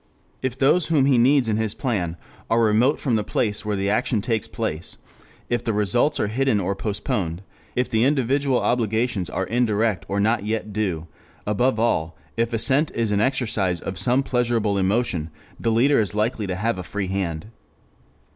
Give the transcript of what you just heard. If those whom he needs in his plan are remote from the place where the action takes place, if the results are hidden or postponed, if the individual obligations are indirect or not yet due, above all if assent is an exercise of some pleasurable emotion, the leader is likely to have a free hand.